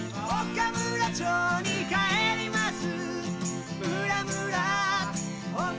「岡村町に帰ります」